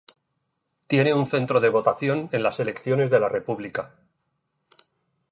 Tiene un centro de votación en las elecciones de la República.